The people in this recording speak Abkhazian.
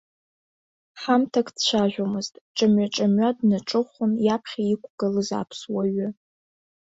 Ҳамҭак дцәажәомызт, ҿамҩа-ҿамҩа днаҿыхәон иаԥхьа иқәгылаз аԥсуа ҩы.